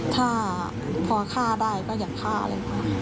ถ้าพอฆ่าได้ก็อย่างฆ่าเลย